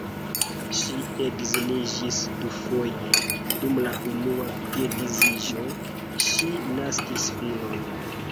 Ŝi edziniĝis dufoje, dum la unua geedziĝo ŝi naskis filon.